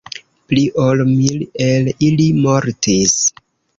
Pli ol mil el ili mortis.